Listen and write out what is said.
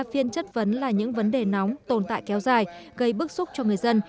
phiên chất vấn là những vấn đề nóng tồn tại kéo dài gây bức xúc cho người dân